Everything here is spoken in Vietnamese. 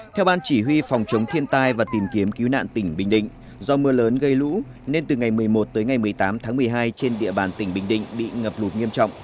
theo ban chỉ huy phòng chống thiên tai và tìm kiếm cứu nạn tỉnh bình định do mưa lớn gây lũ nên từ ngày một mươi một tới ngày một mươi tám tháng một mươi hai trên địa bàn tỉnh bình định bị ngập lụt nghiêm trọng